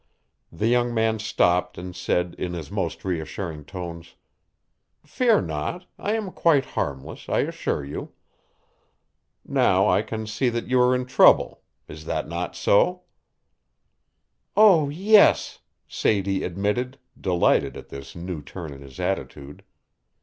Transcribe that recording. The young man stopped and said in his most reassuring tones: "Fear not I am quite harmless, I assure you. Now, I can see that you are in trouble is that not so?" "Oh, yes!" Sadie admitted, delighted at this new turn in his attitude.